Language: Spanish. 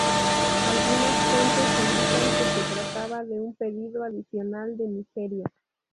Algunas fuentes indican que se trataba de un pedido adicional de Nigeria.